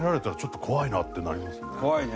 怖いね！